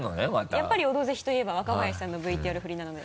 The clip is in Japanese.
やっぱり「オドぜひ」といえば若林さんのＶＴＲ振りなので。